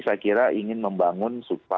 saya kira ingin membangun